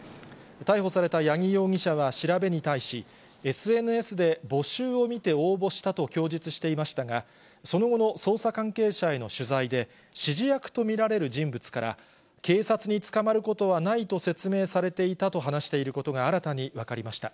逮捕された八木容疑者は調べに対し、ＳＮＳで募集を見て応募したと供述していましたが、その後の捜査関係者への取材で、指示役と見られる人物から、警察に捕まることはないと説明されていたと話していることが新たに分かりました。